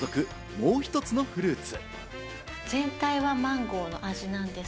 もう１つのフルーツ。